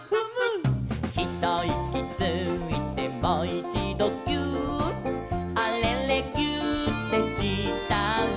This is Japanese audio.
「ひといきついてもいちどぎゅーっ」「あれれぎゅーってしたら」